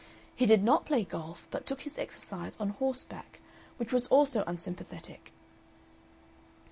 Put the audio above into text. He did not play golf, but took his exercise on horseback, which was also unsympathetic.